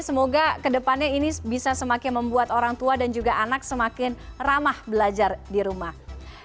semoga kedepannya ini bisa semakin membuat orang tua dan juga anak semakin ramah belajar di rumah